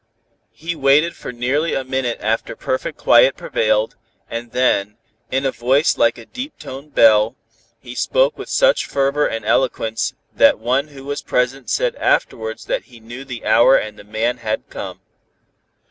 He waited for nearly a minute after perfect quiet prevailed, and then, in a voice like a deep toned bell, he spoke with such fervor and eloquence that one who was present said afterwards that he knew the hour and the man had come.